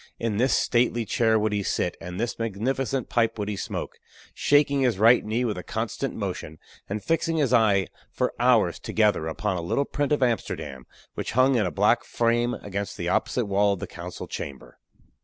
In this stately chair would he sit, and this magnificent pipe would he smoke, shaking his right knee with a constant motion, and fixing his eye for hours together upon a little print of Amsterdam which hung in a black frame against the opposite wall of the council chamber.